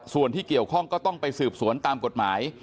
ส่วนที่เกี่ยวข้องก็ต้องไปสืบสวนตามกฎหมาย